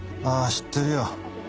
ああ知ってるよ。